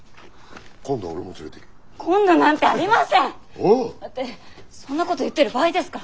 おっ！ってそんなこと言ってる場合ですか？